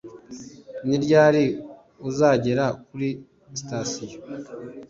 Ni ryari uzagera kuri sitasiyo?